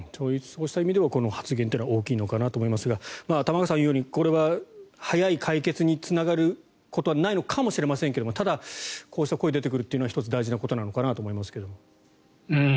そうした意味でもこの発言は大きいのかなと思いますが玉川さんが言うようにこれは早い解決につながることはないのかもしれませんがただ、こうした声が出てくるのは１つ、大事なことなのかなと思いますが。